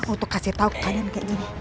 untuk kasih tau ke kalian kayak gini